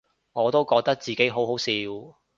我都覺得自己好好笑